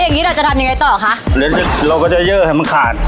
อย่างงี้เราจะทำยังไงต่อหรอค่ะเรียกเราก็จะเยื่อให้มันขาด